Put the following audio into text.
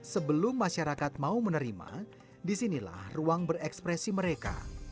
sebelum masyarakat mau menerima disinilah ruang berekspresi mereka